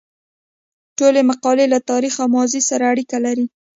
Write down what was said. ټولې مقالې له تاریخ او ماضي سره اړیکه لري.